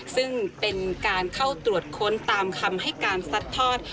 ซึ่งเป็นการเข้าตรวจค้นตามคำให้การซัดทอด